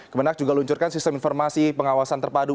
kemenak juga luncurkan sistem informasi pengawasan terpadu